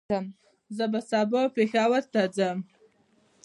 زه به سبا پېښور ته ځم